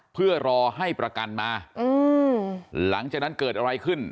เพื่อรอให้ประกันมาหลังจากนั้นเกิดอะไรขึ้น